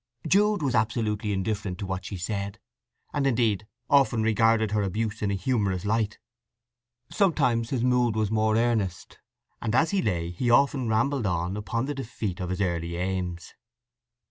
Jude was absolutely indifferent to what she said, and indeed, often regarded her abuse in a humorous light. Sometimes his mood was more earnest, and as he lay he often rambled on upon the defeat of his early aims.